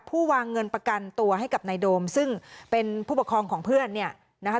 ผู้วางเงินประกันตัวให้กับนายโดมซึ่งเป็นผู้ปกครองของเพื่อนเนี่ยนะคะ